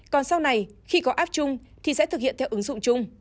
còn sau này khi có app chung thì sẽ thực hiện theo ứng dụng chung